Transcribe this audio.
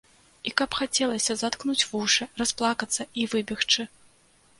І каб хацелася заткнуць вушы, расплакацца і выбегчы!